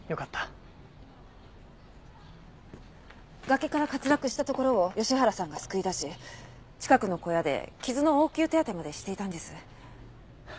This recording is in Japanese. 崖から滑落したところを吉原さんが救い出し近くの小屋で傷の応急手当てまでしていたんです。